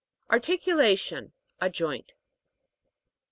ARTICULA'TION. A joint.